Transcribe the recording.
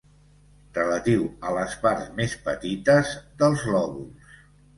Relatiu a les parts més petites dels lòbuls.